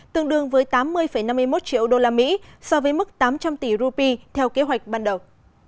tương đương với tám mươi năm mươi một triệu usd so với mức tám trăm linh tỷ rupee theo kế hoạch ban đầu